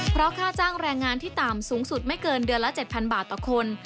เพราะค่าจ้างแรงงานที่ต่ำสูงสุดไม่เกินเดือนละ๗๐๐บาทต่อคน